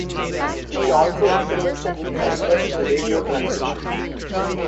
She also experimented with submerged radio transmission.